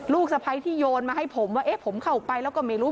สะพ้ายที่โยนมาให้ผมว่าเอ๊ะผมเข้าไปแล้วก็ไม่รู้